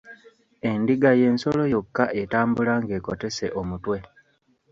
Endiga y'ensolo yokka etambula ng'ekotese omutwe.